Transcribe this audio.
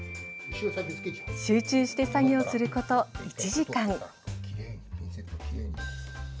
集中して作業すること１時間。